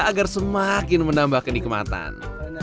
agar semakin menambah kenikmatan